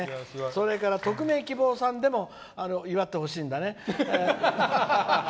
それから匿名希望さんでも祝ってほしいんだね。